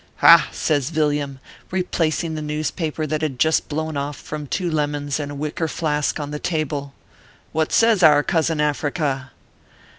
" Ha !" says Yilliam, replacing the newspaper that had just blown off from two lemons and a wicker flask on the table, " what says our cousin Africa